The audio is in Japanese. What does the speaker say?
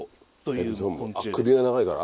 首が長いから？